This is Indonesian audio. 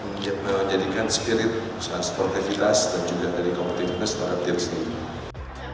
menjadikan spirit seorang sportivitas dan juga dari kompetitivitas terhadap diri sendiri